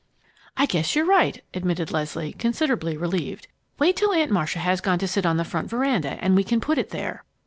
"I guess you're right," admitted Leslie, considerably relieved. "Wait till Aunt Marcia has gone to sit on the front veranda, and we can put it there."